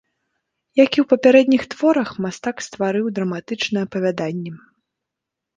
Як і ў папярэдніх творах, мастак стварыў драматычнае апавяданне.